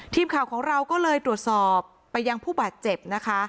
ทีมข่าวของเราก็เลยตรวจสอบไปยังผู้บาดเจ็บนะคะ